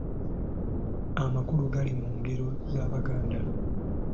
Amakulu agali mu ngero z’Abaganda.